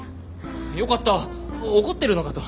よかった怒ってるのかと。